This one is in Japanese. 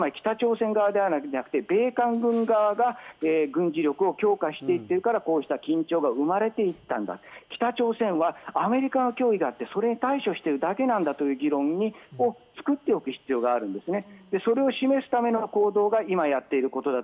北朝鮮側ではなくて、米韓軍側が軍事力を強化しているから、こうした緊張感が生まれていったんだ、北朝鮮はアメリカの脅威があって、それに対処しているだけなんだという議論を作っておく必要があるんですね。